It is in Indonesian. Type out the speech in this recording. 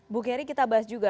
bu kerry kita bahas juga